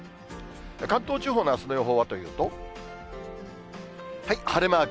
関東地方のあすの予報はというと、晴れマーク。